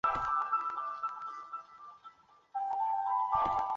我们没有许多知识和技术